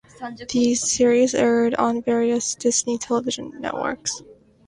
These series aired on various Disney television networks.